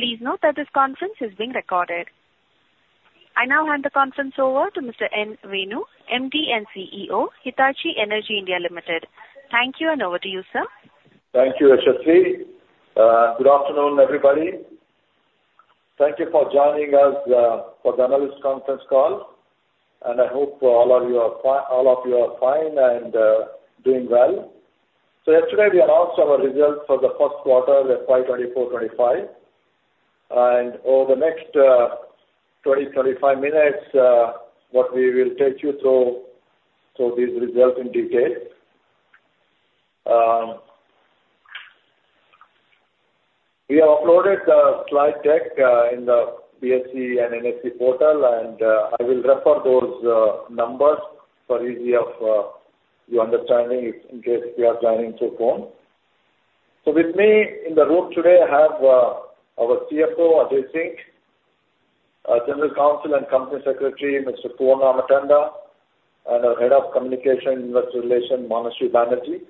Please note that this conference is being recorded. I now hand the conference over to Mr. N. Venu, MD and CEO, Hitachi Energy India Limited. Thank you, and over to you, sir. Thank you, Yashashri. Good afternoon, everybody. Thank you for joining us for the Analyst Conference Call, and I hope all of you are fine, and doing well. Yesterday, we announced our results for the first quarter FY '24-'25. Over the next 20-25 minutes, we will take you through these results in detail. We have uploaded the slide deck in the BSE and NSE portal, and I will refer to those numbers for ease of your understanding in case you are joining through phone. With me in the room today, I have our CFO, Ajay Singh, General Counsel and Company Secretary, Mr. Poovanna Ammatanda, and our Head of Communications and Investor Relations, Manashwi Banerjee.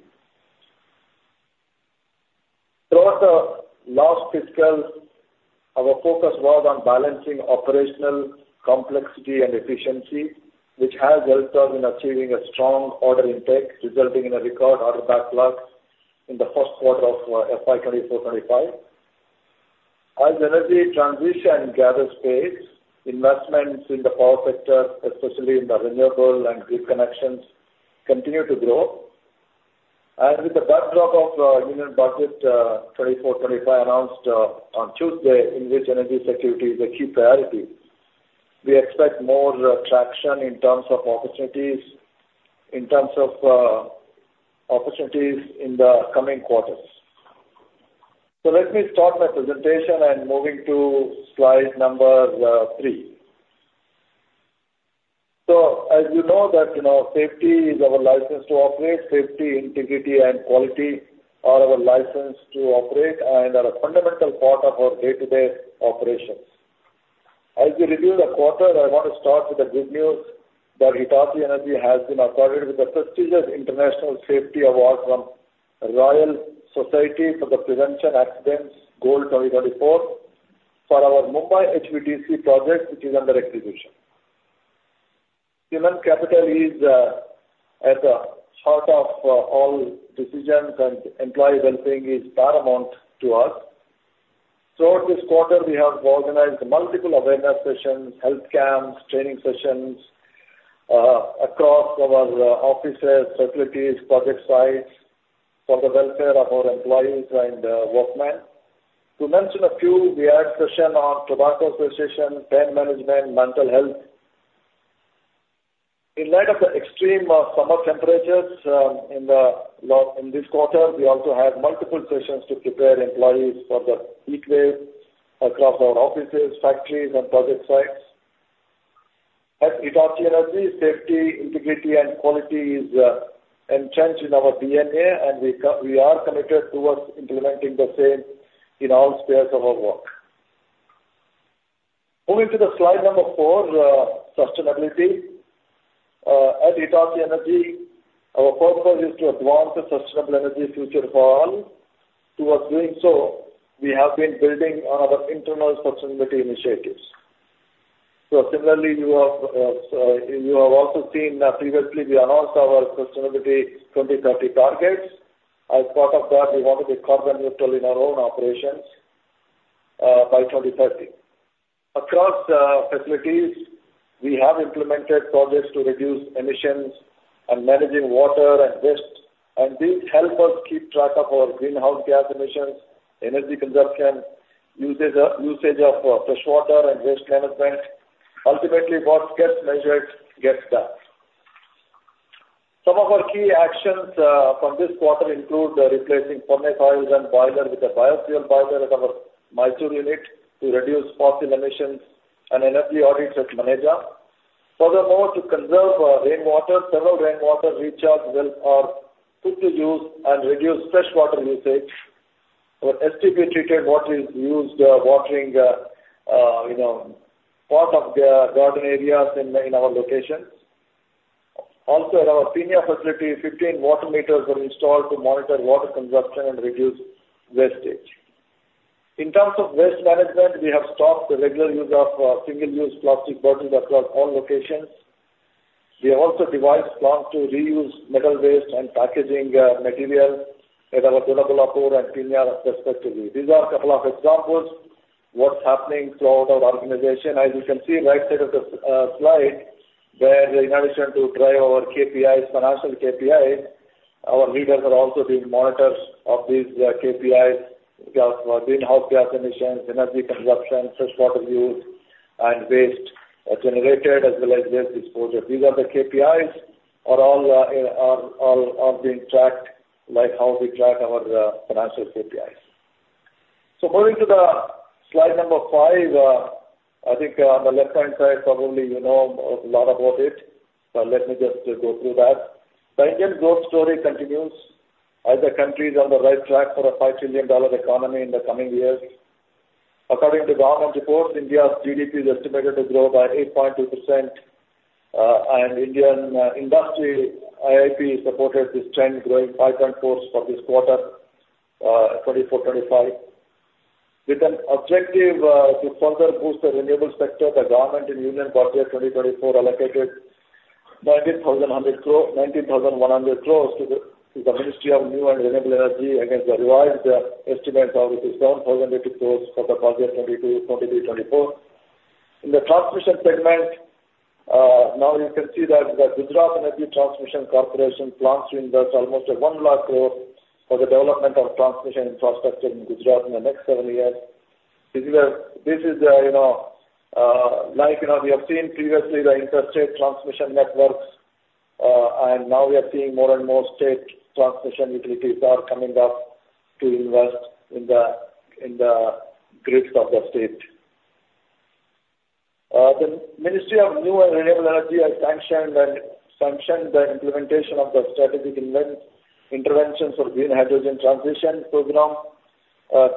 Throughout the last fiscal, our focus was on balancing operational complexity and efficiency, which has helped us in achieving a strong order intake, resulting in a record order backlog in the first quarter of FY '24-'25. As energy transition gathers pace, investments in the power sector, especially in the renewable and grid connections, continue to grow. With the backdrop of the Union Budget '24-'25 announced on Tuesday, in which energy security is a key priority, we expect more traction in terms of opportunities in the coming quarters. So let me start my presentation and move to slide number 3. So as you know, safety is our license to operate. Safety, integrity, and quality are our license to operate and are a fundamental part of our day-to-day operations. As we review the quarter, I want to start with the good news that Hitachi Energy has been awarded with the prestigious International Safety Award from the Royal Society for the Prevention of Accidents Gold 2024 for our Mumbai HVDC project, which is under execution. Human capital is at the heart of all decisions, and employee well-being is paramount to us. Throughout this quarter, we have organized multiple awareness sessions, health camps, training sessions across our offices, facilities, and project sites for the welfare of our employees and workmen. To mention a few, we had a session on tobacco cessation, pain management, and mental health. In light of the extreme summer temperatures in this quarter, we also had multiple sessions to prepare employees for the heat wave across our offices, factories, and project sites. At Hitachi Energy, safety, integrity, and quality are entrenched in our DNA, and we are committed towards implementing the same in all spheres of our work. Moving to slide number 4, sustainability. At Hitachi Energy, our purpose is to advance a sustainable energy future for all. Towards doing so, we have been building on our internal sustainability initiatives. Similarly, you have also seen that previously, we announced our Sustainability 2030 targets. As part of that, we want to be carbon neutral in our own operations by 2030. Across facilities, we have implemented projects to reduce emissions and manage water and waste. These help us keep track of our greenhouse gas emissions, energy consumption, usage of fresh water, and waste management. Ultimately, what gets measured gets done. Some of our key actions from this quarter include replacing furnace oils and boilers with a biofuel boiler at our Mysore unit to reduce fossil emissions and energy audits at Maneja. Furthermore, to conserve rainwater, several rainwater recharges are put to use and reduce fresh water usage. STP treated water is used for watering parts of the garden areas in our locations. Also, at our Peenya facility, 15 water meters were installed to monitor water consumption and reduce wastage. In terms of waste management, we have stopped the regular use of single-use plastic bottles across all locations. We have also devised plans to reuse metal waste and packaging material at our Doddaballapur and Peenya respectively. These are a couple of examples of what's happening throughout our organization. As you can see [on the] right side of the slide, where in addition to driving our financial KPIs, our leaders are also doing monitoring of these KPIs for greenhouse gas emissions, energy consumption, fresh water use, and waste generated, as well as waste disposal. These are the KPIs that are all being tracked, like how we track our financial KPIs. So moving to slide number 5, I think on the left-hand side, probably you know a lot about it, but let me just go through that. The Indian growth story continues. As a country, we are on the right track for a $5 trillion economy in the coming years. According to government reports, India's GDP is estimated to grow by 8.2%, and Indian industry IIP supported this trend, growing 5.4% for this quarter '24-'25. With an objective to further boost the renewable sector, the government in Union Budget 2024 allocated 19,100 crore to the Ministry of New and Renewable Energy against the revised estimates of 7,080 crore for the Budget '23-'24. In the Transmission Segment, now you can see that the Gujarat Energy Transmission Corporation plans to invest almost 100,000 crore for the development of transmission infrastructure in Gujarat in the next seven years. This is like we have seen previously, the inter-state transmission networks, and now we are seeing more and more state transmission utilities are coming up to invest in the grids of the state. The Ministry of New and Renewable Energy has sanctioned the implementation of the Strategic Interventions for Green Hydrogen Transition program.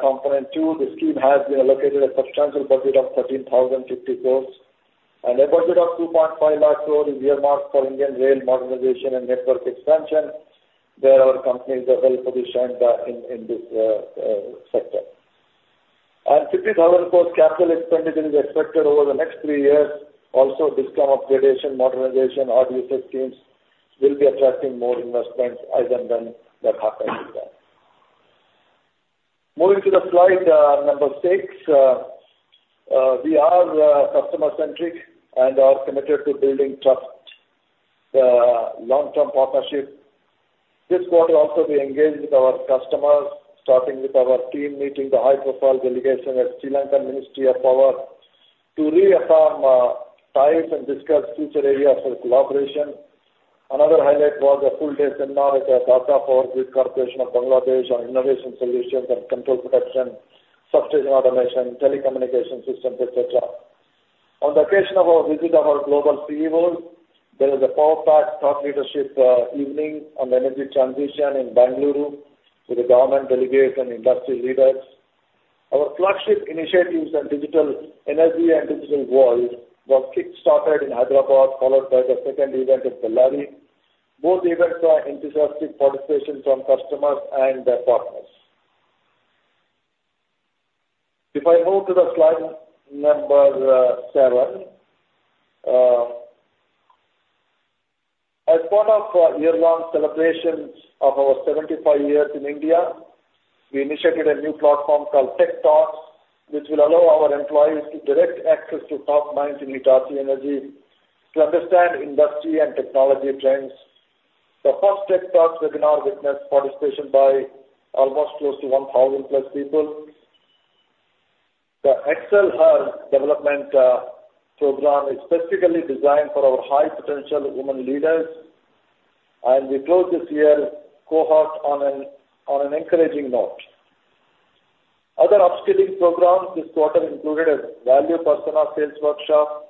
Component two, the scheme has been allocated a substantial budget of 13,050 crore. A budget of 250,000 crore is earmarked for Indian rail modernization and network expansion, where our company is well positioned in this sector. 50,000 crore capital expenditure is expected over the next three years. Also, this kind of railway modernization and alternative fuels will be attracting more investments other than that happening there. Moving to slide number 6, we are customer-centric and are committed to building trust, long-term partnerships. This quarter, also, we engaged with our customers, starting with our team meeting the high-profile delegation at Sri Lankan Ministry of Power to reaffirm ties and discuss future areas for collaboration. Another highlight was a full-day seminar at Dhaka for the Power Grid Company of Bangladesh on innovation solutions and control protection, substation automation, telecommunication systems, etc. On the occasion of our visit of our global CEOs, there was a power pack thought leadership evening on energy transition in Bengaluru with the government delegates and industry leaders. Our flagship initiatives on Digital Energy and Digital World were kick-started in Hyderabad, followed by the second event at Delhi. Both events were enthusiastic participation from customers and their partners. If I move to slide number 7, as part of year-long celebrations of our 75 years in India, we initiated a new platform called TechTalks, which will allow our employees to direct access to top minds in Hitachi Energy to understand industry and technology trends. The first TechTalks webinar witnessed participation by almost close to 1,000+ people. The ExcelHer development program is specifically designed for our high-potential women leaders, and we closed this year's cohort on an encouraging note. Other upskilling programs this quarter included a Value Persona Sales Workshop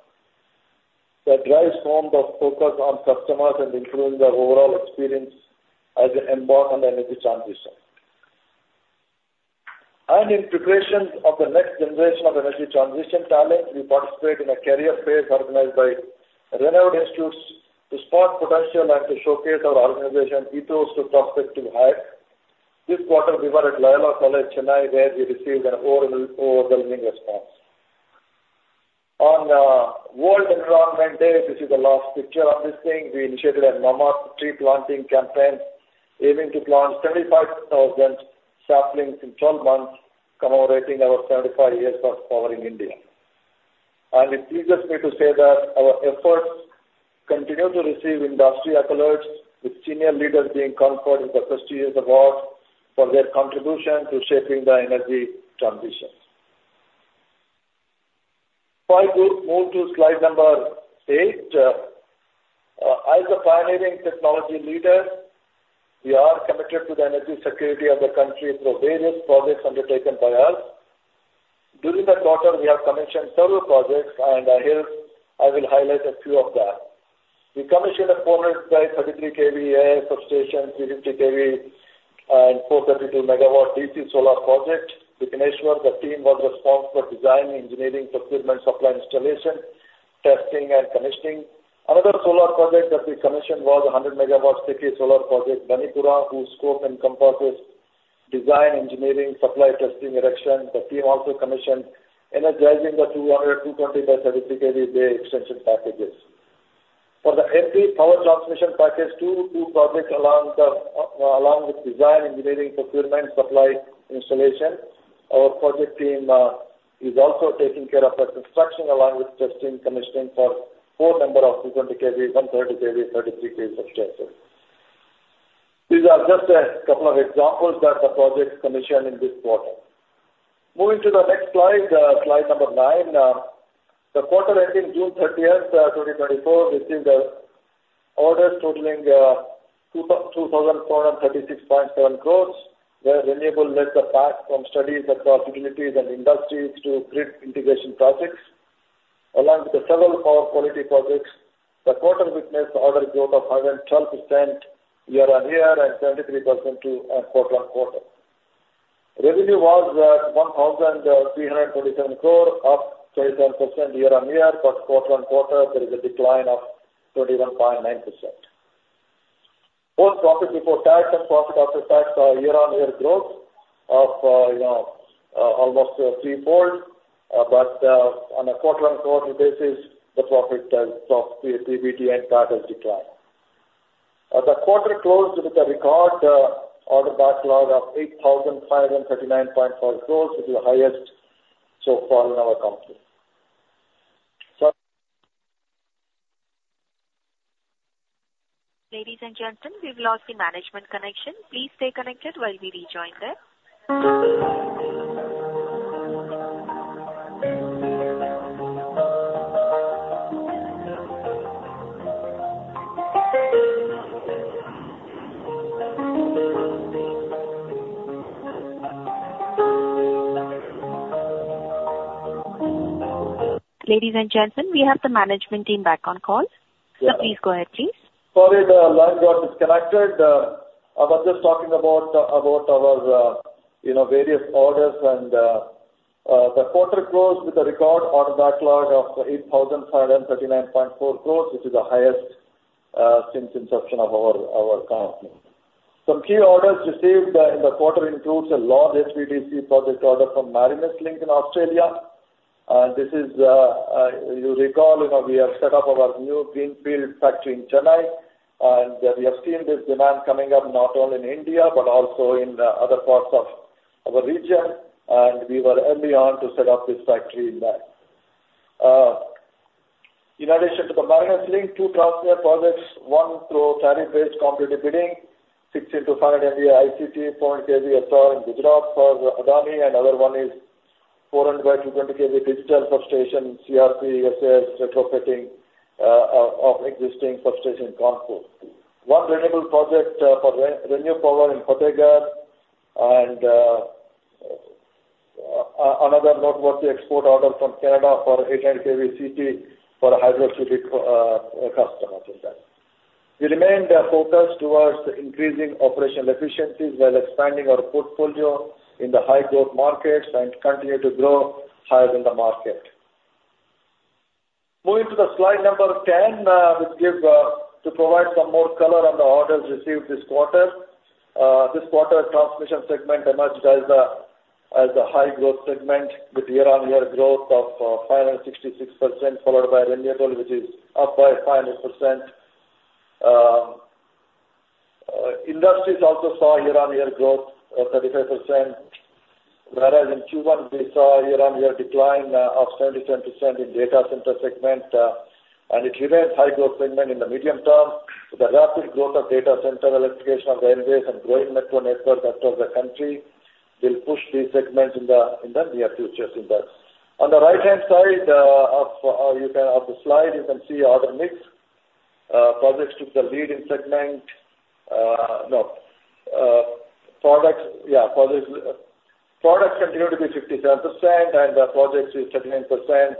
that drives home the focus on customers and improves the overall experience as we embark on the energy transition. In preparation of the next generation of energy transition talent, we participated in a career fair organized by renowned institutes to spot potential and to showcase our organization's ethos to prospective hires. This quarter, we were at Loyola College, Chennai, where we received an overwhelming response. On World Environment Day, this is the last picture on this thing, we initiated a mammoth tree planting campaign, aiming to plant 75,000 saplings in 12 months, commemorating our 75 years of power in India. It pleases me to say that our efforts continue to receive industry accolades, with senior leaders being conferred with the prestigious awards for their contribution to shaping the energy transition. If I move to slide number 8, as a pioneering technology leader, we are committed to the energy security of the country through various projects undertaken by us. During the quarter, we have commissioned several projects, and I will highlight a few of them. We commissioned a 400/33 kV substation, 350 kV, and 432 MW DC solar project. In Bhubaneswar, the team was responsible for design, engineering, procurement, supply installation, testing, and commissioning. Another solar project that we commissioned was a 100 MW SECI solar project, Banipura, whose scope encompasses design, engineering, supply testing, erection. The team also commissioned energizing the 220/70 kV bay extension packages. For the MP Power Transmission Package, two projects along with design, engineering, procurement, supply installation. Our project team is also taking care of the construction along with testing, commissioning for a full number of 220 kV, 130 kV, and 33 kV substations. These are just a couple of examples that the projects commissioned in this quarter. Moving to the next slide, slide number 9, the quarter ending June 30, 2024, received orders totaling 2,436.7 crore, where renewables led the pack from studies across utilities and industries to grid integration projects. Along with the several power quality projects, the quarter witnessed order growth of 112% year-on-year and 73% quarter-on-quarter. Revenue was 1,327 crore, up 27% year-on-year, but quarter-on-quarter, there is a decline of 21.9%. Both profit before tax and profit after tax are year-on-year growth of almost three-fold, but on a quarter-on-quarter basis, the profit of PBT and PAT has declined. The quarter closed with a record order backlog of 8,539.5 crore, which is the highest so far in our company. Ladies and gentlemen, we've lost the management connection. Please stay connected while we rejoin them. Ladies and gentlemen, we have the management team back on call. Please go ahead, please. Sorry, the line got disconnected. I was just talking about our various orders, and the quarter closed with a record order backlog of 8,539.4 crore, which is the highest since the inception of our company. Some key orders received in the quarter include a large HVDC project order from Marinus Link in Australia. This is, you recall, we have set up our new greenfield factory in Chennai, and we have seen this demand coming up not only in India but also in other parts of our region, and we were early on to set up this factory in there. In addition to the Marinus Link, two transmission projects, one through tariff-based competitive bidding, 60x500 MVA ICT, 400 kV SR in Gujarat for Adani, and the other one is 400/220 kV digital substation, CRP SAS retrofitting of existing substation, Kanpur. One renewable project for ReNew Power in Fatehgarh, and another noteworthy export order from Canada for 800 kV CT for a Hydro-Québec customer in there. We remained focused toward increasing operational efficiencies while expanding our portfolio in the high-growth markets and continue to grow higher than the market. Moving to slide number 10, which is to provide some more color on the orders received this quarter. This quarter, Transmission Segment emerged as a high-growth segment with year-on-year growth of 566%, followed by renewable, which is up by 500%. Industries also saw year-on-year growth of 35%, whereas in Q1, we saw year-on-year decline of 77% in data center segment, and it remains high-growth segment in the medium term. The rapid growth of data center electrification of railways and growing metro network across the country will push these segments in the near future. On the right-hand side of the slide, you can see order mix. Projects took the lead in segment. No, products continued to be 57%, and the projects are 39%.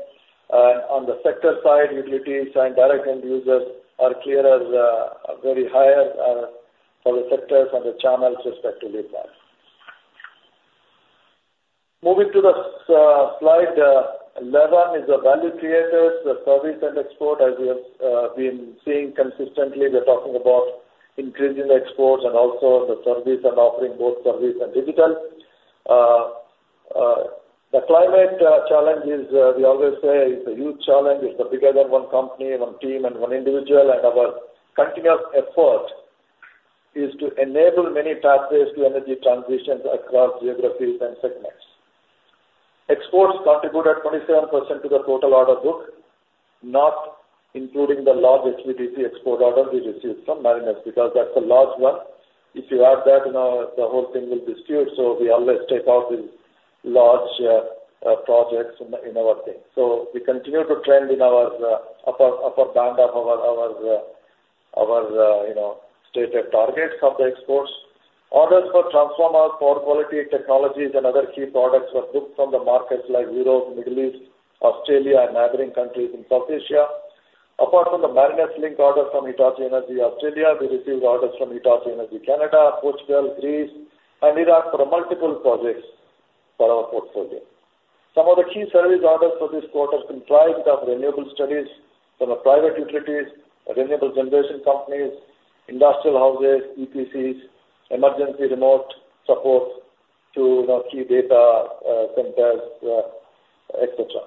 On the sector side, utilities and direct end users are clearer, very higher for the sectors and the channels respectively. Moving to slide 11 is the value creators, the service and export, as we have been seeing consistently. We're talking about increasing the exports and also the service and offering both service and digital. The climate challenges, we always say, is a huge challenge. It's a bigger than one company, one team, and one individual, and our continuous effort is to enable many pathways to energy transitions across geographies and segments. Exports contributed 27% to the total order book, not including the large HVDC export order we received from Marinus because that's the large one. If you add that, the whole thing will be skewed, so we always take out these large projects in our thing. So we continue to trend in our upper band of our stated targets of the exports. Orders for transformer, power quality technologies, and other key products were booked from the markets like Europe, the Middle East, Australia, and neighboring countries in South Asia. Apart from the Marinus Link order from Hitachi Energy Australia, we received orders from Hitachi Energy Canada, Portugal, Greece, and Iraq for multiple projects for our portfolio. Some of the key service orders for this quarter comprised of renewable studies from private utilities, renewable generation companies, industrial houses, EPCs, emergency remote support to key data centers, etc.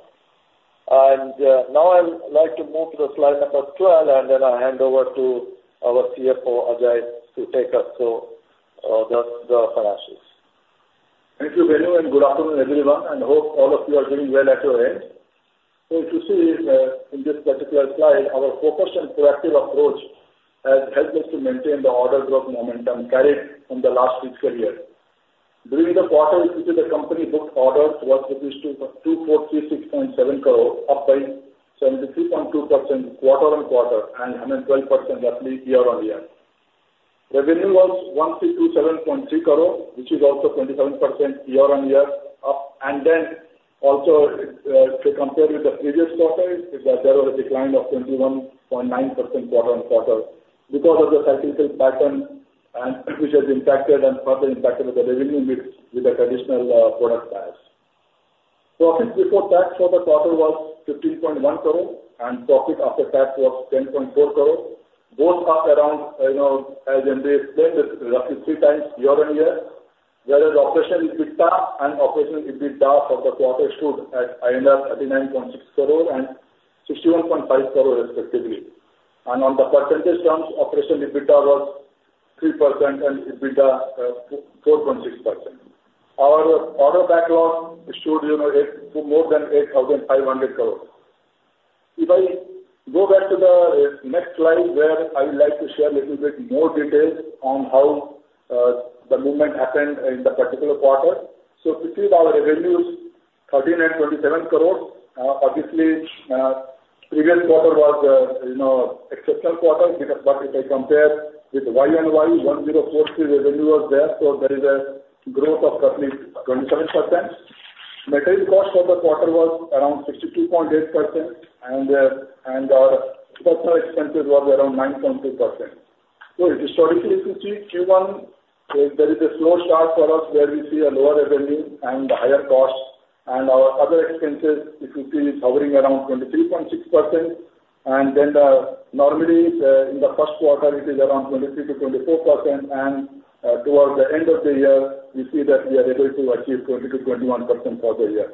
And now I'd like to move to slide number 12, and then I'll hand over to our CFO, Ajay, to take us through the financials. Thank you, Venu, and good afternoon, everyone. I hope all of you are doing well at your end. So if you see in this particular slide, our focused and proactive approach has helped us to maintain the order growth momentum carried from the last fiscal year. During the quarter, each of the company booked orders was reduced to rupees 2,436.7 crores, up by 73.2% quarter-over-quarter and 112% roughly year-on-year. Revenue was 1,327.3 crores, which is also 27% year-on-year, up. Then also, if we compare with the previous quarter, there was a decline of 21.9% quarter-on-quarter because of the cyclical pattern, which has impacted and further impacted the revenue mix with the traditional product paths. Profit before tax for the quarter was 15.1 crores, and profit after tax was 10.4 crores. Both are around, as MD explained, roughly three times year-on-year, whereas operational EBITDA and EBITDA for the quarter stood at INR 39.6 crores and 61.5 crores respectively. On the percentage terms, operational EBITDA was 3% and EBITDA 4.6%. Our order backlog issued more than 8,500 crores. If I go back to the next slide, where I would like to share a little bit more details on how the movement happened in the particular quarter. So if you see our revenues, 13 crores and 27 crores. Obviously, the previous quarter was an exceptional quarter, but if I compare with Q1 FY24, 1,043 crore revenue was there, so there is a growth of roughly 27%. Material cost for the quarter was around 62.8%, and our personnel expenses were around 9.2%. So historically, if you see, Q1, there is a slow start for us, where we see a lower revenue and higher costs. And our other expenses, if you see, is hovering around 23.6%. And then normally, in the first quarter, it is around 23%-24%, and towards the end of the year, we see that we are able to achieve 22%-21% for the year.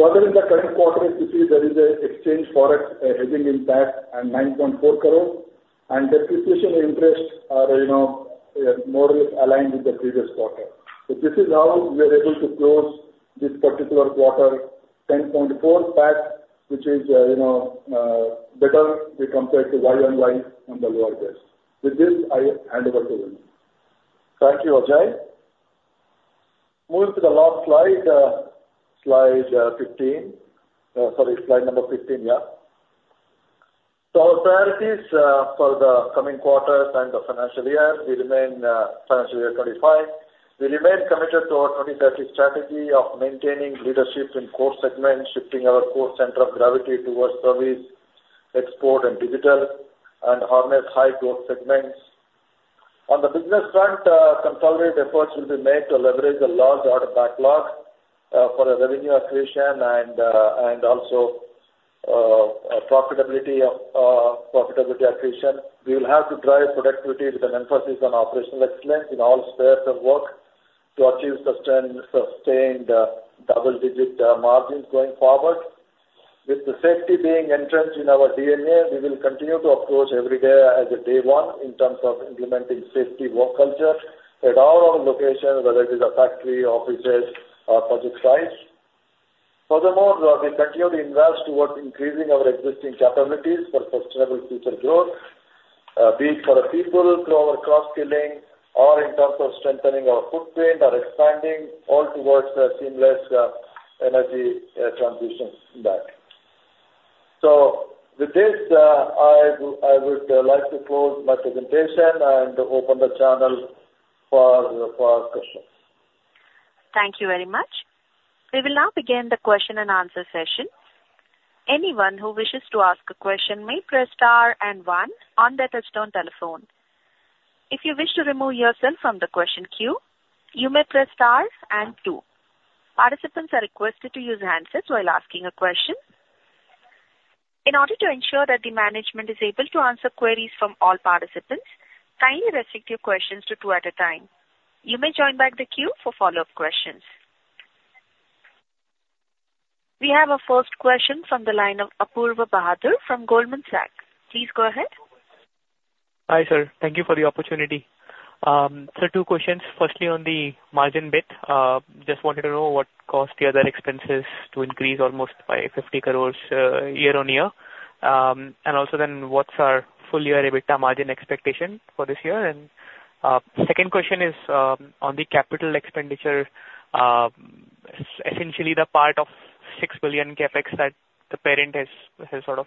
Further, in the current quarter, if you see, there is an exchange FOREX hedging impact at 9.4 crore, and depreciation interests are more or less aligned with the previous quarter. So this is how we are able to close this particular quarter, 10.4 % PAT, which is better compared to YoY on the lower base. With this, I hand over to Venu. Thank you, Ajay. Moving to the last slide, slide 15. Sorry, slide number 15, yeah. So our priorities for the coming quarters and the financial year, we remain financial year '25. We remain committed to our 2030 strategy of maintaining leadership in core segments, shifting our core center of gravity towards service, export, and digital, and harness high-growth segments. On the business front, consolidated efforts will be made to leverage the large order backlog for revenue accretion and also profitability accretion. We will have to drive productivity with an emphasis on operational excellence in all spheres of work to achieve sustained double-digit margins going forward. With the safety being entrenched in our DNA, we will continue to approach every day as a day one in terms of implementing safety work culture at all our locations, whether it is a factory, offices, or project sites. Furthermore, we continue to invest towards increasing our existing capabilities for sustainable future growth, be it for the people, through our cross-skilling, or in terms of strengthening our footprint or expanding, all towards a seamless energy transition in that. So with this, I would like to close my presentation and open the channel for questions. Thank you very much. We will now begin the Q&A session. Anyone who wishes to ask a question may press star and one on their touch-tone telephone. If you wish to remove yourself from the question queue, you may press star and two. Participants are requested to use handsets while asking a question. In order to ensure that the management is able to answer queries from all participants, kindly restrict your questions to two at a time. You may join back the queue for follow-up questions. We have a first question from the line of Apoorva Bahadur from Goldman Sachs. Please go ahead. Hi sir. Thank you for the opportunity. So two questions. Firstly, on the margin bit, just wanted to know what cost the other expenses to increase almost by 50 crore year-on-year. And also then, what's our full-year EBITDA margin expectation for this year? And second question is on the capital expenditure, essentially the part of $6 billion CapEx that the parent has sort of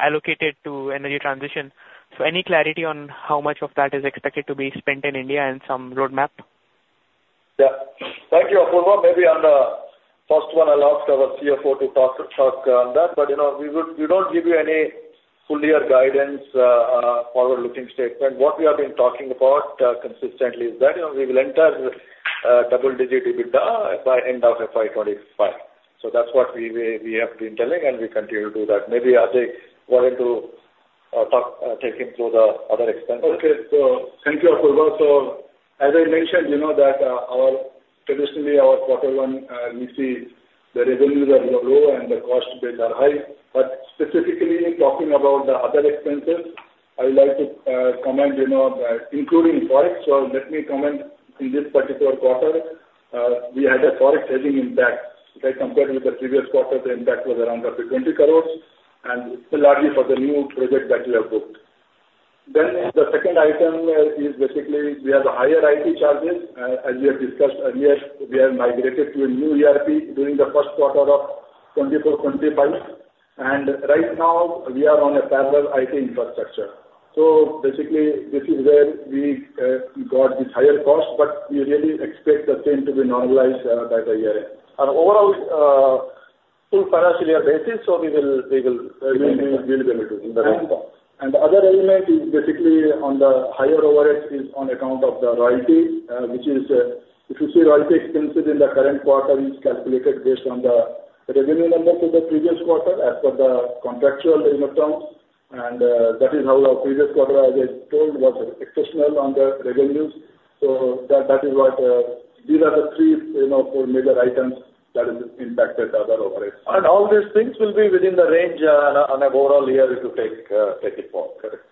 allocated to energy transition. So any clarity on how much of that is expected to be spent in India and some roadmap? Yeah. Thank you, Apoorva. Maybe on the first one, I'll ask our CFO to talk on that. But we don't give you any full-year guidance, forward-looking statement. What we have been talking about consistently is that we will enter double-digit EBITDA by end of FY '25. So that's what we have been telling, and we continue to do that. Maybe Ajay wanted to take him through the other expenses. Okay. So thank you, Apoorva. So as I mentioned, you know that traditionally, our quarter one, we see the revenues are low and the costs are high. But specifically talking about the other expenses, I would like to comment that including FOREX, so let me comment in this particular quarter, we had a FOREX hedging impact. If I compare with the previous quarter, the impact was around up to 20 crore, and it's largely for the new project that we have booked. Then the second item is basically we have higher IT charges. As we have discussed earlier, we have migrated to a new ERP during the first quarter of '24-'25. And right now, we are on a parallel IT infrastructure. So basically, this is where we got this higher cost, but we really expect the same to be normalized by the year. On an overall full financial year basis, so we will be able to do that. And the other element is basically on the higher overhead is on account of the royalty, which is if you see royalty expenses in the current quarter, it's calculated based on the revenue number for the previous quarter as per the contractual terms. And that is how our previous quarter, as I told, was exceptional on the revenues. So that is what these are the three major items that have impacted other overheads. And all these things will be within the range on an overall year if you take it forward. Correct.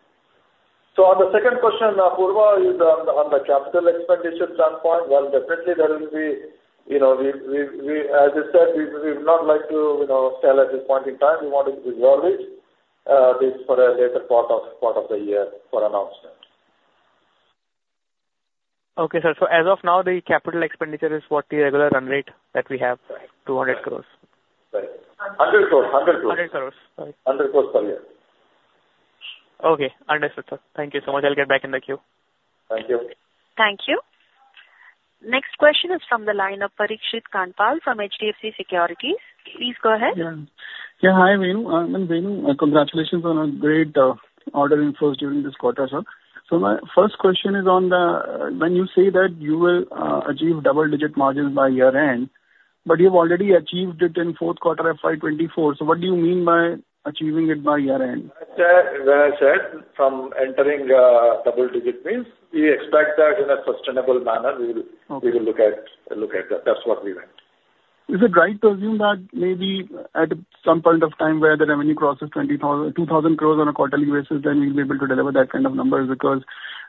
So on the second question, Apoorva, on the capital expenditure standpoint, well, definitely there will be as I said, we would not like to sell at this point in time. We want to resolve it for a later part of the year for announcement. Okay, sir. So as of now, the capital expenditure is what the regular run rate that we have, 200 crore? 100 crore. 100 crore. 100 crore. 100 crore per year. Okay. Understood, sir. Thank you so much. I'll get back in the queue. Thank you. Thank you. Next question is from the line of Parikshit Kandpal from HDFC Securities. Please go ahead. Yeah. Hi, Venu. Um, Venu, congratulations on a great order inflows during this quarter, sir. So my first question is on when you say that you will achieve double-digit margins by year-end, but you've already achieved it in fourth quarter FY '24. So what do you mean by achieving it by year-end? As I said, from entering double-digit means, we expect that in a sustainable manner, we will look at that. That's what we want. Is it right to assume that maybe at some point of time where the revenue crosses 2,000 crore on a quarterly basis, then we'll be able to deliver that kind of numbers? Because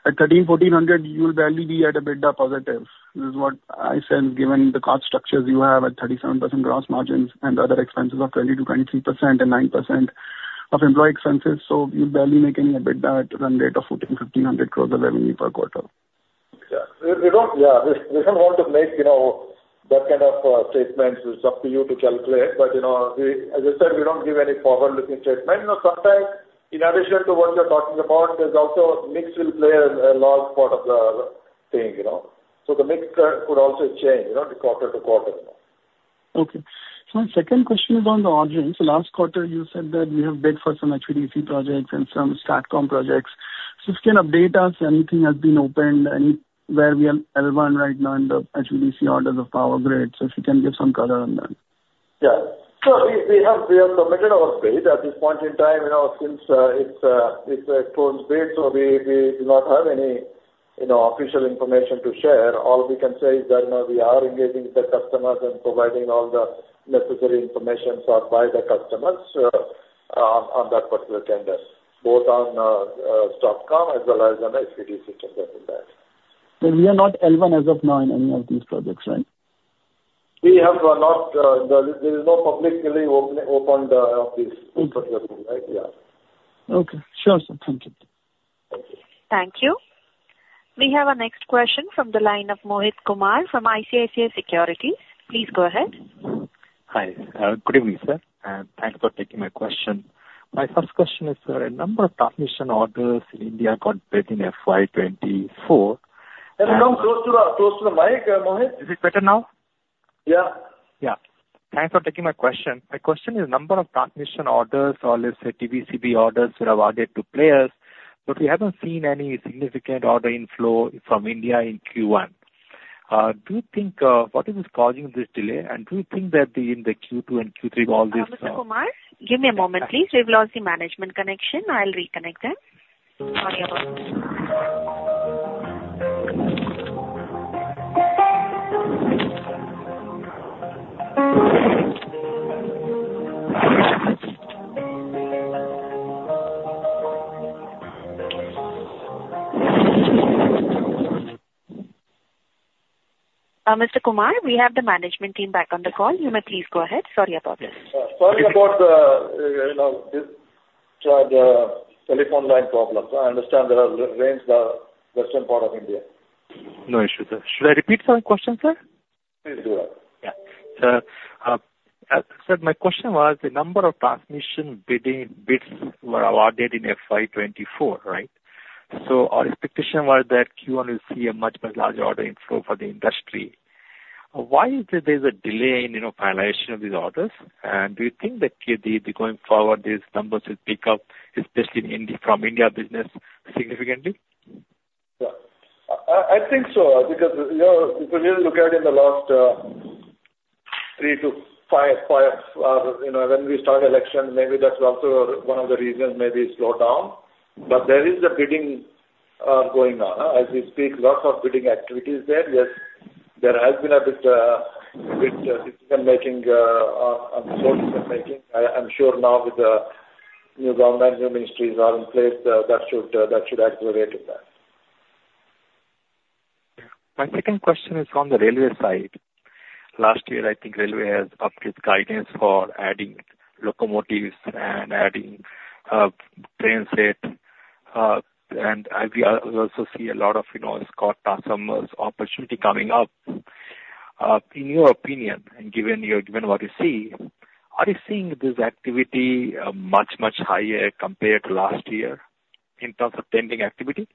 at 1,300-1,00 crore, you will barely be at EBITDA positive. This is what I said, given the cost structures you have at 37% gross margins and other expenses of 20%-23% and 9% of employee expenses. So you barely make any EBITDA at run rate of 1,400- 1,500 crore of revenue per quarter. Yeah. We don't want to make that kind of statements. It's up to you to calculate. But as I said, we don't give any forward-looking statement. Sometimes, in addition to what you're talking about, there's also mix will play a large part of the thing. So the mix could also change quarter-to-quarter. Okay. So my second question is on the orders. Last quarter, you said that you have bid for some HVDC projects and some STATCOM projects. So if you can update us, anything has been opened, where we are right now in the HVDC orders of Power Grid. So if you can give some color on that. Yeah. So we have submitted our bid at this point in time. Since it's a closed bid, so we do not have any official information to share. All we can say is that we are engaging the customers and providing all the necessary information sought by the customers on that particular tender, both on STATCOM as well as on HVDC tender for that. And we are not L1 as of now in any of these projects, right? We have not. There is no publicly opened of these particular projects, right? Yeah. Okay. Sure, sir. Thank you. Thank you. We have a next question from the line of Mohit Kumar from ICICI Securities. Please go ahead. Hi. Good evening, sir. And thanks for taking my question. My first question is, sir, a number of transmission orders in India got bid in FY '24. Can you come close to the mic, Mohit? Is it better now? Yeah. Yeah. Thanks for taking my question. My question is, number of transmission orders, or let's say TBCB orders that have added to players, but we haven't seen any significant order inflow from India in Q1. Do you think what is causing this delay? And do you think that in the Q2 and Q3, all this? Mr. Kumar, give me a moment, please. We've lost the management connection. I'll reconnect them. Sorry about that. Mr. Kumar, we have the management team back on the call. You may please go ahead. Sorry about this. Sorry about the telephone line problem. So I understand there are rains in the western part of India. No issue, sir. Should I repeat some questions, sir? Please do that. Yeah. Sir, as I said, my question was, the number of transmission bids were awarded in FY '24, right? So our expectation was that Q1 will see a much, much larger order inflow for the industry. Why is there a delay in finalization of these orders? And do you think that going forward, these numbers will pick up, especially from India business, significantly? Yeah. I think so because if you really look at it in the last 3 to 5 when we started election, maybe that's also one of the reasons maybe it slowed down. But there is a bidding going on. As we speak, lots of bidding activities there. There has been a bit of decision-making on sources of making. I'm sure now with the new government, new ministries are in place, that should aggravate that. My second question is on the railway side. Last year, I think railway has updated guidance for adding locomotives and adding train set. We also see a lot of smart transmission opportunity coming up. In your opinion, and given what you see, are you seeing this activity much, much higher compared to last year in terms of tendering activity?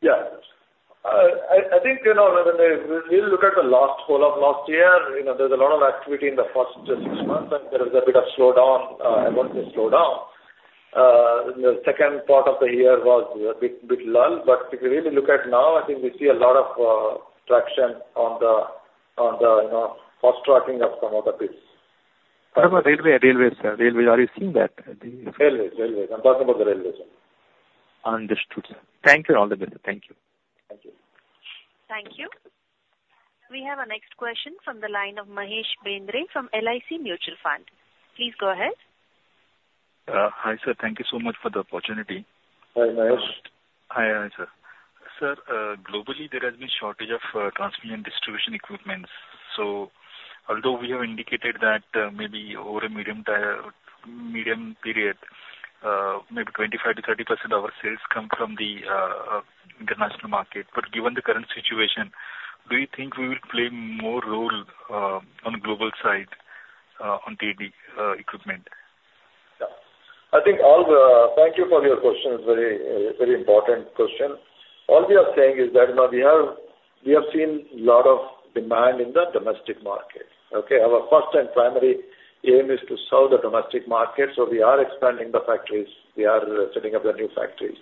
Yeah. I think when you look at the whole of last year, there's a lot of activity in the first six months, and there was a bit of slowdown. I won't say slowdown. The second part of the year was a bit lull. But if you really look at now, I think we see a lot of traction on the fast tracking of some of the bids. What about railway, railways, sir? Railways, are you seeing that? Railways, railways. I'm talking about the railways. Understood, sir. Thank you and all the best. Thank you. Thank you. Thank you. We have a next question from the line of Mahesh Bendre from LIC Mutual Fund. Please go ahead. Hi, sir. Thank you so much for the opportunity. Hi, Mahesh. Hi, sir. Sir, globally, there has been a shortage of transmission distribution equipment. So although we have indicated that maybe over a medium period, maybe 25%-30% of our sales come from the international market. But given the current situation, do you think we will play more role on the global side on TD equipment? Yeah. I think all the thank you for your question is a very important question. All we are saying is that we have seen a lot of demand in the domestic market. Okay? Our first and primary aim is to sell the domestic market. So we are expanding the factories. We are setting up the new factories.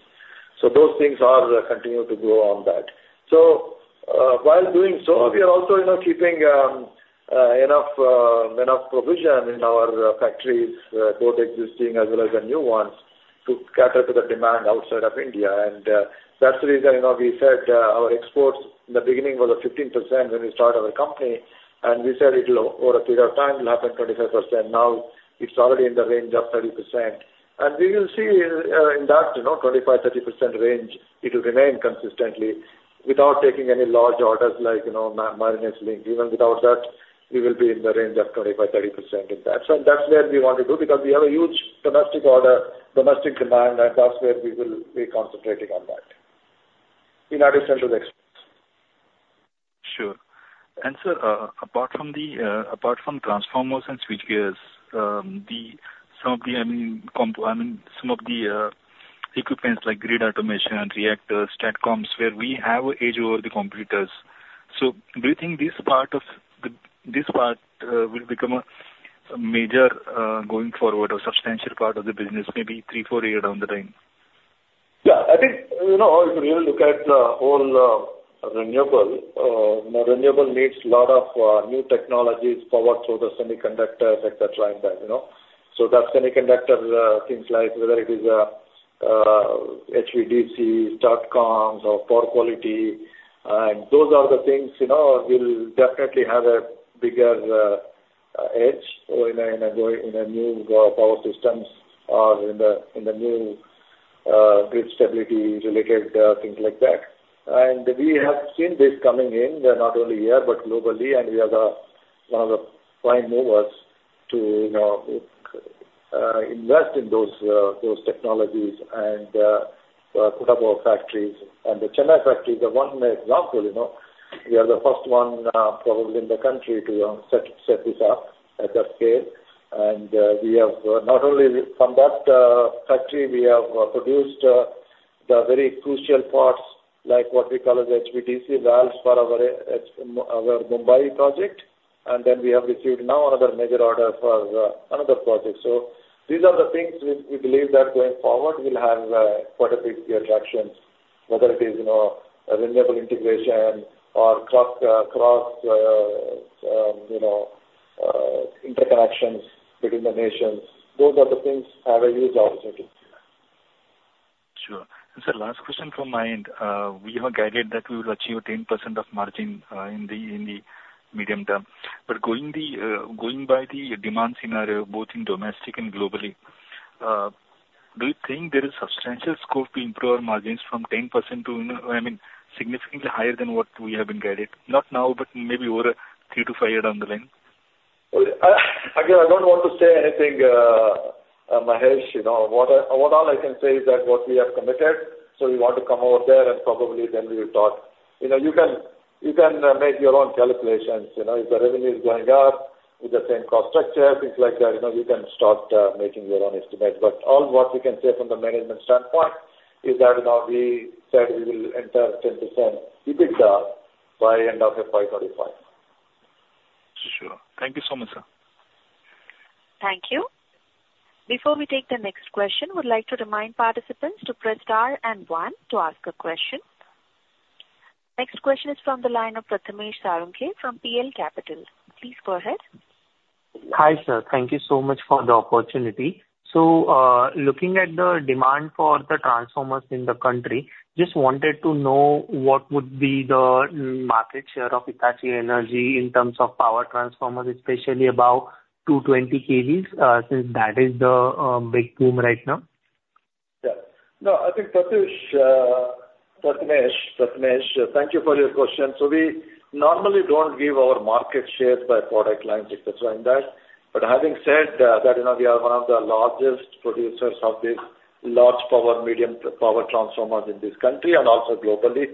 Those things continue to grow on that. While doing so, we are also keeping enough provision in our factories, both existing as well as the new ones, to cater to the demand outside of India. That's the reason we said our exports in the beginning was 15% when we started our company. We said over a period of time, it will happen 25%. Now, it's already in the range of 30%. We will see in that 25%-30% range, it will remain consistently without taking any large orders like Marinus Link. Even without that, we will be in the range of 25%-30%. That's where we want to go because we have a huge domestic order, domestic demand, and that's where we will be concentrating on that in addition to the exports. Sure. And sir, apart from transformers and switchgears, some of the—I mean, some of the equipment like grid automation, reactors, STATCOMs, where we have age-old computers. So do you think this part will become a major going forward or substantial part of the business maybe three, four years down the line? Yeah. I think if you really look at the whole renewable, renewable needs a lot of new technologies powered through the semiconductors, etc., and that. So that semiconductor things, whether it is HVDC, STATCOMs, or power quality, those are the things will definitely have a bigger edge in a new power systems or in the new grid stability-related things like that. We have seen this coming in not only here but globally. We are one of the prime movers to invest in those technologies and put up our factories. The Chennai factory is one example. We are the first one probably in the country to set this up at that scale. And we have not only from that factory, we have produced the very crucial parts like what we call as HVDC valves for our Mumbai project. And then we have received now another major order for another project. So these are the things we believe that going forward will have quite a big attraction, whether it is renewable integration or cross-interconnections between the nations. Those are the things that have a huge opportunity. Sure. And sir, last question from my end. We have guided that we will achieve 10% margin in the medium term. But going by the demand scenario, both in domestic and globally, do you think there is substantial scope to improve our margins from 10% to, I mean, significantly higher than what we have been guided? Not now, but maybe over 3-5 years down the line? Again, I don't want to say anything, Mahesh. What all I can say is that what we have committed. So we want to come over there, and probably then we will start. You can make your own calculations. If the revenue is going up with the same cost structure, things like that, you can start making your own estimate. But all what we can say from the management standpoint is that we said we will enter 10% EBITDA by end of FY '25. Sure. Thank you so much, sir. Thank you. Before we take the next question, we'd like to remind participants to press star and one to ask a question. Next question is from the line of Prathmesh Salunkhe from PL Capital. Please go ahead. Hi, sir. Thank you so much for the opportunity. So looking at the demand for the transformers in the country, just wanted to know what would be the market share of Hitachi Energy in terms of power transformers, especially about 220 kVs, since that is the big boom right now? Yeah. No, I think Prathamesh, Prathamesh, thank you for your question. So we normally don't give our market shares by product lines, etc., and that. But having said that, we are one of the largest producers of these large power, medium power transformers in this country and also globally.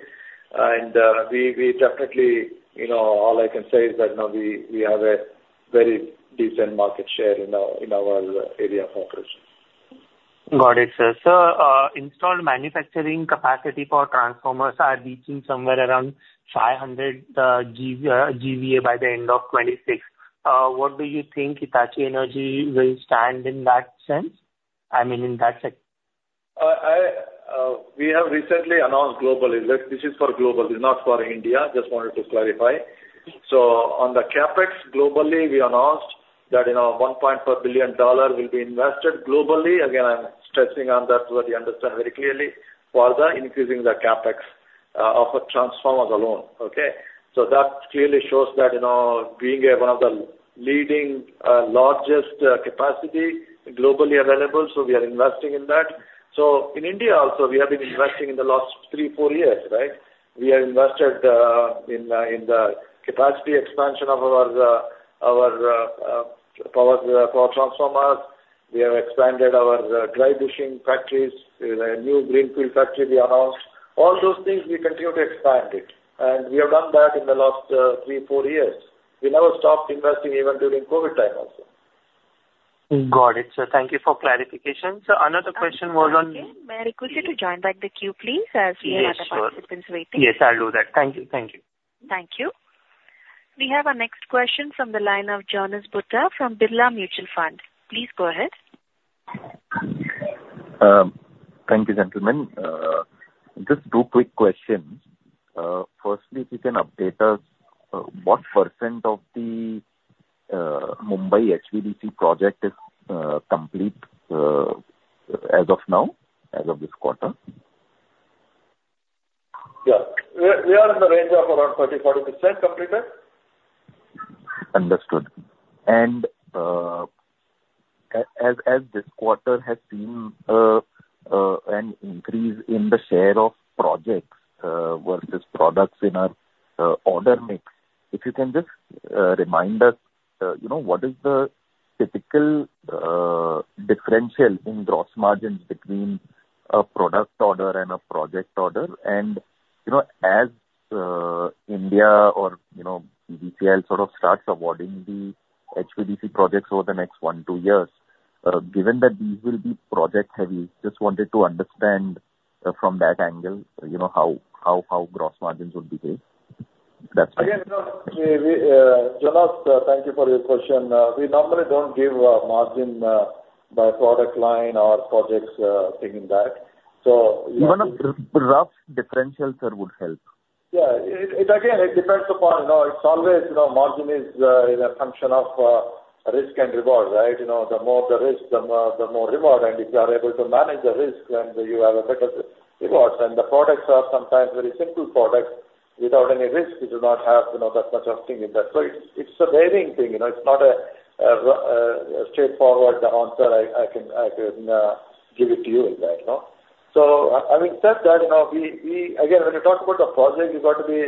And we definitely, all I can say is that we have a very decent market share in our area of operation. Got it, sir. So installed manufacturing capacity for transformers are reaching somewhere around 500 GVA by the end of '26. What do you think Hitachi Energy will stand in that sense? I mean, in that sector? We have recently announced globally. This is for global. It's not for India. Just wanted to clarify. So on the CapEx, globally, we announced that $1.4 billion will be invested globally. Again, I'm stressing on that so that you understand very clearly for the increasing the CapEx of a transformer alone. Okay? So that clearly shows that being one of the leading largest capacity globally available, so we are investing in that. So in India also, we have been investing in the last 3-4 years, right? We have invested in the capacity expansion of our power transformers. We have expanded our dry bushing factories. New greenfield factory we announced. All those things, we continue to expand it. And we have done that in the last 3-4 years. We never stopped investing even during COVID time also. Got it, sir. Thank you for clarification. So another question was on... May I request you to join back the queue, please, as we have other participants waiting? Yes, I'll do that. Thank you. Thank you. Thank you. We have a next question from the line of Jonas Bhutta from Aditya Birla Sun Life AMC. Please go ahead. Thank you, gentlemen. Just two quick questions. Firstly, if you can update us, what percent of the Mumbai HVDC project is complete as of now, as of this quarter? Yeah. We are in the range of around 30%-40% completed. Understood. And as this quarter has seen an increase in the share of projects versus products in our order mix, if you can just remind us, what is the typical differential in gross margins between a product order and a project order? As India or BCL sort of starts awarding the HVDC projects over the next 1-2 years, given that these will be project-heavy, just wanted to understand from that angle how gross margins would behave. That's it. Again, Jonas, thank you for your question. We normally don't give margin by product line or projects thing in that. So you... Even a rough differential, sir, would help. Yeah. Again, it depends upon. It's always margin is a function of risk and reward, right? The more the risk, the more reward. And if you are able to manage the risk, then you have a better reward. And the products are sometimes very simple products without any risk. You do not have that much of a thing in that. So it's a varying thing. It's not a straightforward answer I can give it to you in that. So having said that, again, when you talk about the project, you've got to be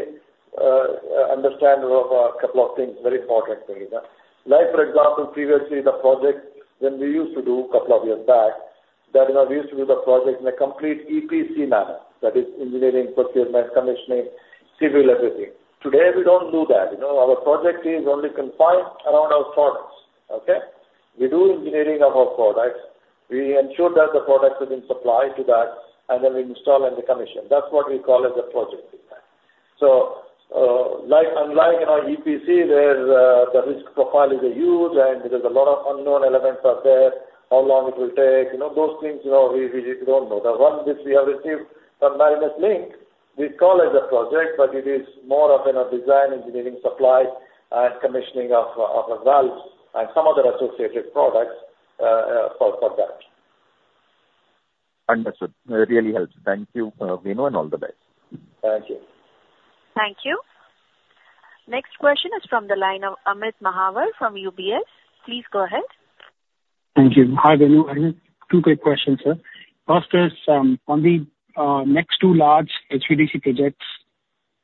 understandable of a couple of things, very important things. Like, for example, previously, the project when we used to do a couple of years back, that we used to do the project in a complete EPC manner, that is engineering, procurement, commissioning, civil, everything. Today, we don't do that. Our project is only confined around our products. Okay? We do engineering of our products. We ensure that the products have been supplied to that, and then we install and we commission. That's what we call as a project in that. So unlike EPC, where the risk profile is huge and there's a lot of unknown elements out there, how long it will take, those things, we don't know. The one which we have received from Marinus Link, we call it the project, but it is more of a design engineering supply and commissioning of valves and some other associated products for that. Understood. That really helps. Thank you, Venu, and all the best. Thank you. Thank you. Next question is from the line of Amit Mahawar from UBS. Please go ahead. Thank you. Hi, Venu. Two quick questions, sir. First is, on the next two large HVDC projects,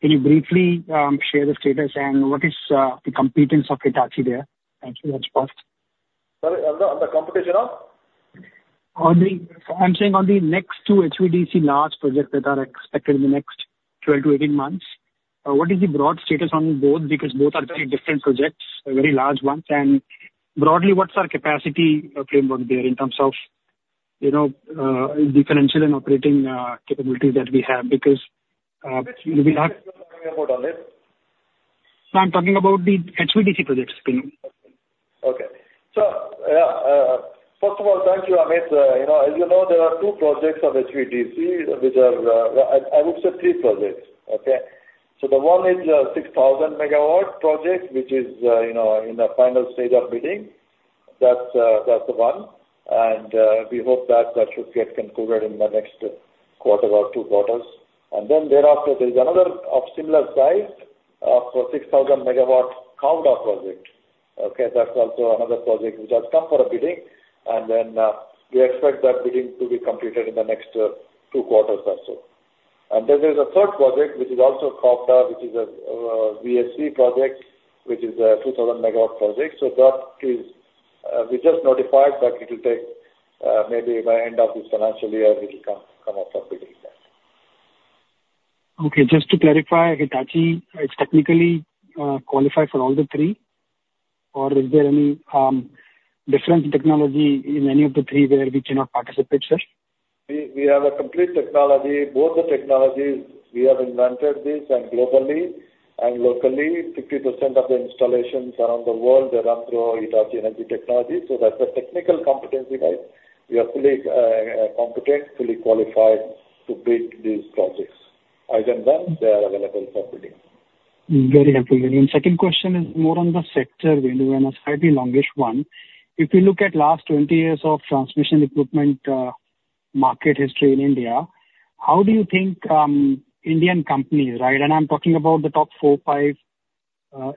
can you briefly share the status and what is the competence of Hitachi there? Thank you very much, boss. Sorry, on the competition of? I'm saying on the next two HVDC large projects that are expected in the next 12 to 18 months, what is the broad status on both? Because both are very different projects, very large ones. Broadly, what's our capacity framework there in terms of differential and operating capabilities that we have? Because... Which two projects are you talking about, Amit? I'm talking about the HVDC projects, Venu. Okay. So first of all, thank you, Amit. As you know, there are two projects of HVDC, which are, I would say, three projects. Okay? So the one is a 6,000 MW project, which is in the final stage of bidding. That's the one. And we hope that that should get concluded in the next quarter or two quarters. And then thereafter, there is another of similar size of 6,000 MW Khavda project. Okay? That's also another project which has come for a bidding. And then we expect that bidding to be completed in the next two quarters or so. Then there is a third project, which is also Khavda, which is a VSC project, which is a 2,000-MW project. So that is we just notified that it will take maybe by end of this financial year, it will come up for bidding. Okay. Just to clarify, Hitachi, it's technically qualified for all the three? Or is there any different technology in any of the three where we cannot participate, sir? We have a complete technology. Both the technologies we have invented, these and globally and locally, 50% of the installations around the world, they run through Hitachi Energy Technologies. So that's the technical competency-wise. We are fully competent, fully qualified to bid these projects. Other than that, they are available for bidding. Very helpful, Venu. And second question is more on the sector, Venu, and a slightly longish one. If you look at the last 20 years of transmission equipment market history in India, how do you think Indian companies, right? And I'm talking about the top 4-5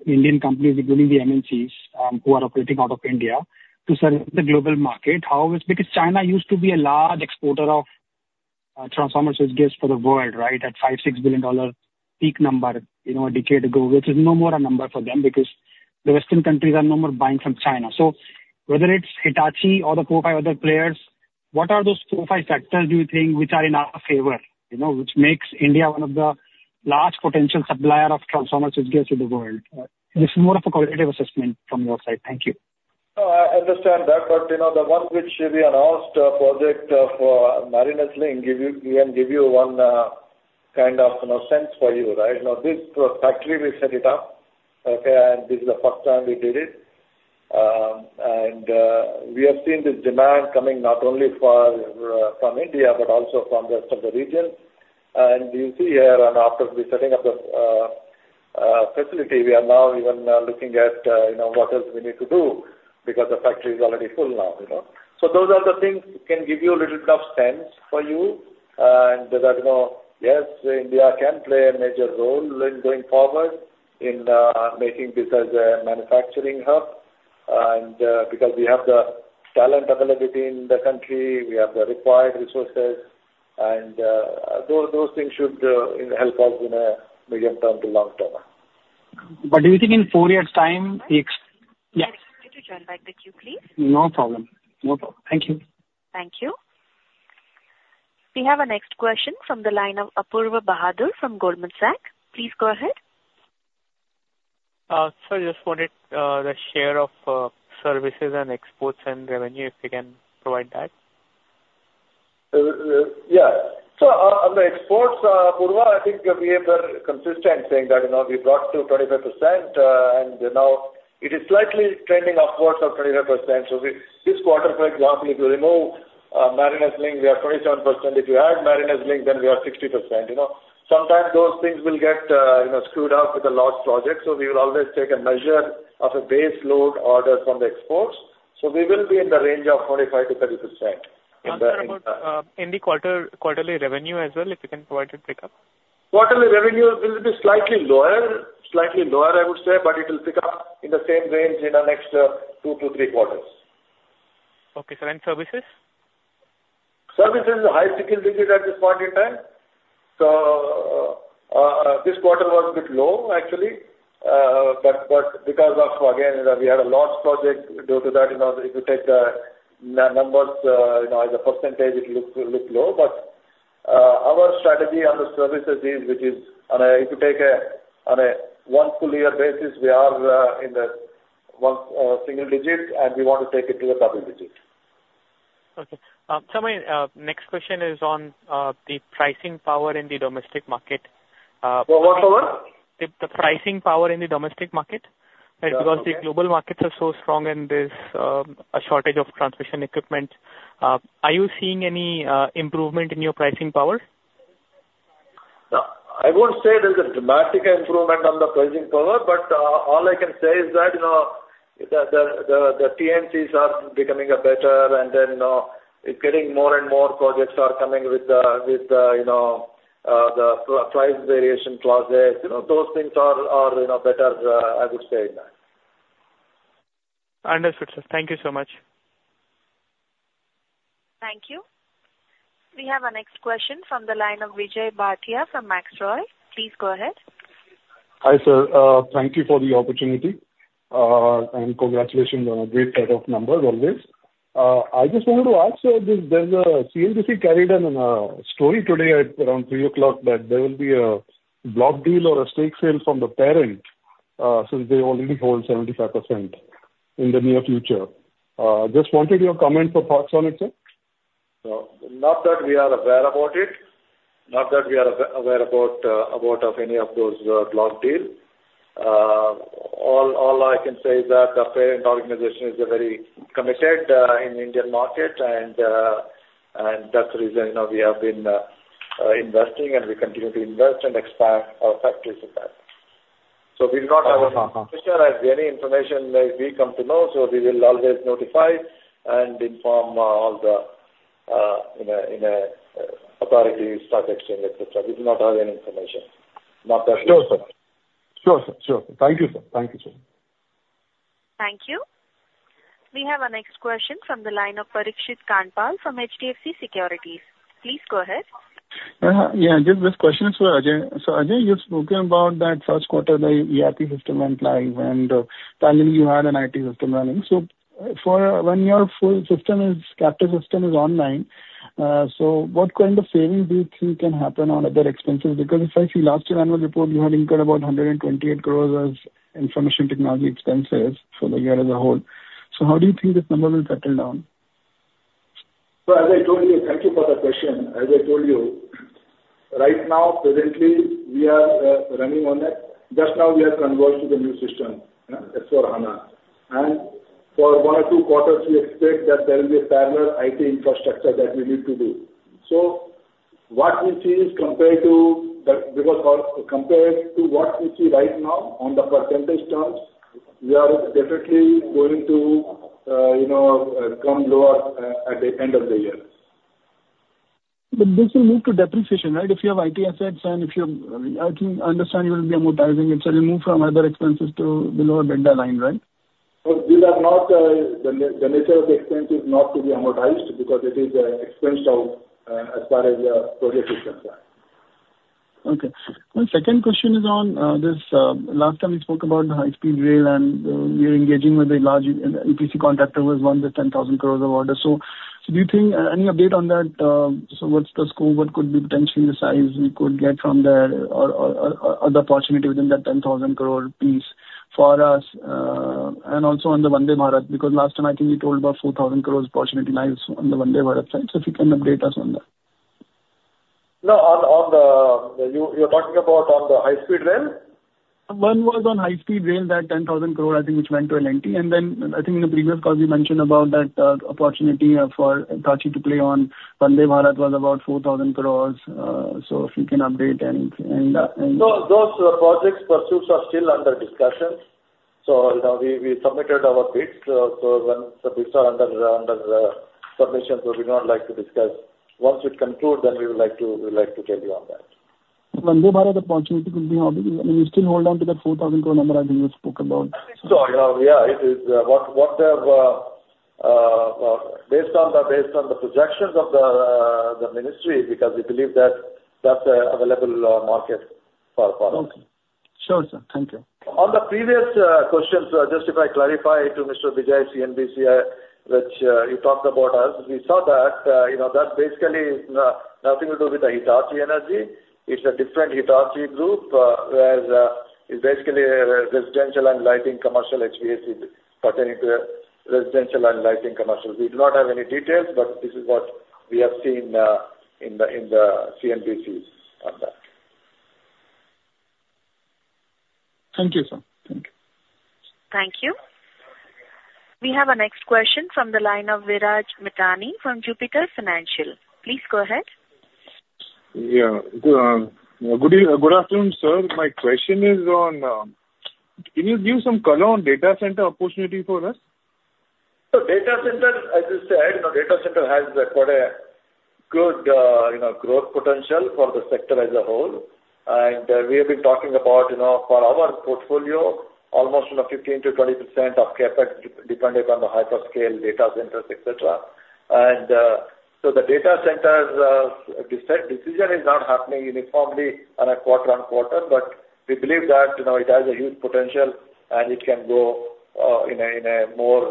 Indian companies including the MNCs who are operating out of India to serve the global market, how is it? Because China used to be a large exporter of transformer switchgears for the world, right, at $5-$6 billion peak number a decade ago, which is no more a number for them because the Western countries are no more buying from China. So whether it's Hitachi or the 4-5 other players, what are those 4-5 factors, do you think, which are in our favor, which makes India one of the large potential suppliers of transformer switchgears in the world? This is more of a qualitative assessment from your side. Thank you. I understand that. But the one which we announced, project of Marinus Link, we can give you one kind of sense for you, right? Now, this factory, we set it up, okay, and this is the first time we did it. And we have seen this demand coming not only from India but also from the rest of the region. And you see here, after we set up the facility, we are now even looking at what else we need to do because the factory is already full now. So those are the things that can give you a little bit of sense for you. And yes, India can play a major role in going forward in making this as a manufacturing hub because we have the talent availability in the country. We have the required resources. And those things should help us in the medium term to long term. But do you think in four years' time? Yes? Can you please join back the queue please. No problem. No problem. Thank you. Thank you. We have a next question from the line of Apoorva Bahadur from Goldman Sachs. Please go ahead. Sir, I just wanted the share of services and exports and revenue, if you can provide that. Yeah. So on the exports, Apoorva, I think we have been consistent saying that we brought to 25%. And now it is slightly trending upwards of 25%. So this quarter, for example, if you remove Marinus Link, we are 27%. If you add Marinus Link, then we are 60%. Sometimes those things will get screwed up with the large projects. So we will always take a measure of a base load order from the exports. So we will be in the range of 25%-30%. In the quarterly revenue as well, if you can provide a pickup. Quarterly revenue will be slightly lower, slightly lower, I would say, but it will pick up in the same range in the next 2 to 3 quarters. Okay, sir. In services? Services is a high single digit at this point in time. So this quarter was a bit low, actually. But because of, again, we had a large project, due to that, if you take the numbers as a percentage, it looks low. But our strategy on the services is, which is, if you take a 1 full-year basis, we are in the single digit, and we want to take it to the double digit. Okay. So my next question is on the pricing power in the domestic market. What power? The pricing power in the domestic market. Because the global markets are so strong and there's a shortage of transmission equipment, are you seeing any improvement in your pricing power? I won't say there's a dramatic improvement on the pricing power, but all I can say is that the T&Cs are becoming better, and then getting more and more projects are coming with the price variation clauses. Those things are better, I would say, in that. Understood, sir. Thank you so much. Thank you. We have a next question from the line of Vijay Bhatia from Max ROI. Please go ahead. Hi, sir. Thank you for the opportunity. And congratulations on a great set of numbers always. I just wanted to ask, sir, CNBC carried a story today at around 3:00 P.M. that there will be a block deal or a stake sale from the parent since they already hold 75% in the near future. Just wanted your comment or thoughts on it, sir. Not that we are aware about it. Not that we are aware about any of those block deals. All I can say is that the parent organization is very committed in the Indian market, and that's the reason we have been investing, and we continue to invest and expand our factories in that. So we do not have any information that we come to know. So we will always notify and inform all the authorities, stock exchange, etc. We do not have any information. Not that we know. Sure, sir. Sure, sir. Sure. Thank you, sir. Thank you, sir. Thank you. We have a next question from the line of Parikshit Kandpal from HDFC Securities. Please go ahead. Yeah. Just this question, sir. So Ajay, you've spoken about that first quarter, the ERP system went live, and finally, you had an IT system running. So when your full captive system is online, so what kind of savings do you think can happen on other expenses? Because if I see last year's annual report, you had incurred about 128 crore as information technology expenses for the year as a whole. So how do you think this number will settle down? So as I told you, thank you for the question. As I told you, right now, presently, we are running on it. Just now, we have converged to the new system, S/4HANA. And for one or two quarters, we expect that there will be a parallel IT infrastructure that we need to do. So what we see is compared to because compared to what we see right now on the percentage terms, we are definitely going to come lower at the end of the year. But this will move to depreciation, right? If you have IT assets and if you understand you will be amortizing it, so you'll move from other expenses to the lower bottom line, right? So these are not the nature of the expense is not to be amortized because it is expensed out as far as the project is concerned. Okay. My second question is on this last time we spoke about the high-speed rail and you're engaging with a large EPC contractor who has won the 10,000 crore of orders. So do you think any update on that? So what's the scope? What could be potentially the size we could get from there or the opportunity within that 10,000 crore piece for us? And also on the Vande Bharat because last time, I think you told about 4,000 crore opportunity lies on the Vande Bharat side. So if you can update us on that. No, are you talking about the high-speed rail? One was on high-speed rail, that 10,000 crore, I think, which went to L&T. And then I think in the previous call, we mentioned about that opportunity for Hitachi to play on Vande Bharat was about 4,000 crore. So if you can update and. Those project pursuits are still under discussion. So we submitted our bids. So once the bids are under submission, so we don't like to discuss. Once it concludes, then we would like to tell you on that. Vande Bharat opportunity could be how big? I mean, you still hold on to that 4,000 crore number I think you spoke about. So yeah, it is what they have based on the projections of the ministry because we believe that that's an available market for us. Okay. Sure, sir. Thank you. On the previous questions, just if I clarify to Mr. Vijay, CNBC, which you talked about us, we saw that that basically has nothing to do with the Hitachi Energy. It's a different Hitachi Group where it's basically residential and lighting commercial, HVAC pertaining to residential and lighting commercial. We do not have any details, but this is what we have seen in the CNBC on that. Thank you, sir. Thank you. Thank you. We have a next question from the line of Viraj Mithani from Jupiter Financial. Please go ahead. Yeah. Good afternoon, sir. My question is, can you give some color on data center opportunity for us? Data center, as you said, data center has quite a good growth potential for the sector as a whole. We have been talking about for our portfolio, almost 15%-20% of CapEx depending upon the hyperscale data centers, etc. The data center decision is not happening uniformly on a quarter-over-quarter, but we believe that it has a huge potential and it can go in a more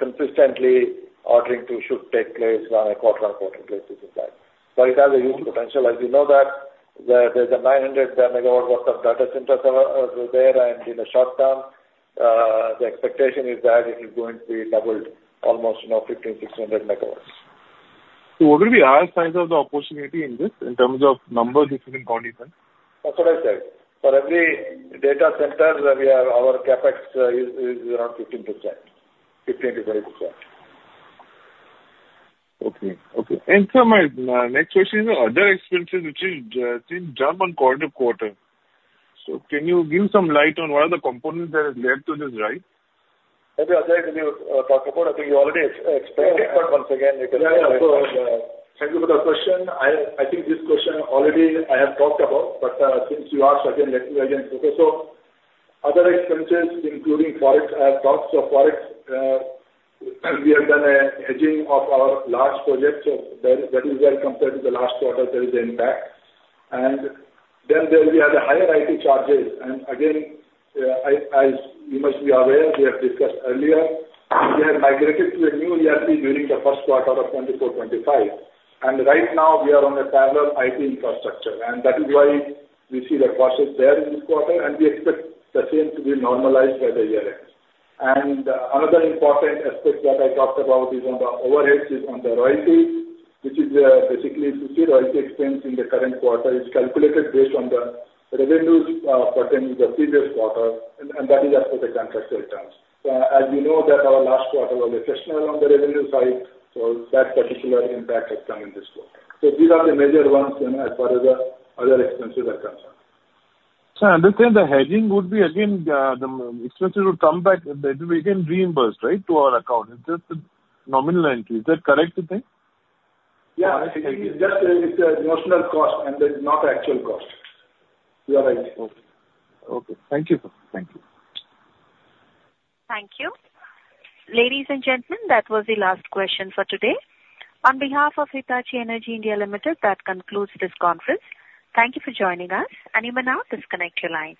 consistently ordering to should take place on a quarter-over-quarter basis of that. But it has a huge potential. As you know that there's a 900 MW worth of data centers there, and in the short term, the expectation is that it is going to be doubled, almost 1,500-1,600 MW. So what would be the size of the opportunity in this in terms of number, if you can quantify? That's what I said. For every data center, our CapEx is around 15%, 15%-20%. Okay. Okay. And so my next question is on other expenses, which is in terms of quarter-to-quarter. So can you give some light on what are the components that have led to this rise? Maybe other than you talked about, I think you already explained it, but once again, we can go ahead. Yeah. So thank you for the question. I think this question already I have talked about, but since you asked, again, let me again focus. So other expenses, including FOREX, I have talked. So FOREX, we have done a hedging of our large projects. So that is where compared to the last quarter, there is an impact. Then there we have the higher IT charges. And again, as you must be aware, we have discussed earlier, we have migrated to a new ERP during the first quarter of '24-'25. And right now, we are on a parallel IT infrastructure. And that is why we see the costs there in this quarter, and we expect the same to be normalized by the year-end. And another important aspect that I talked about is on the overheads is on the royalty, which is basically the royalty expense in the current quarter is calculated based on the revenues pertaining to the previous quarter, and that is as per the contractual terms. As you know, that our last quarter was exceptional on the revenue side, so that particular impact has come in this quarter. So these are the major ones as far as the other expenses are concerned. So, understand the hedging would be, again, the expenses would come back, they can reimburse, right, to our account? It's just the notional entry. Is that correct to think? Yeah. It's a notional cost, and it's not an actual cost. You are right. Okay. Okay. Thank you, sir. Thank you. Thank you. Ladies and gentlemen, that was the last question for today. On behalf of Hitachi Energy India Limited, that concludes this conference. Thank you for joining us. And you may now disconnect your lines.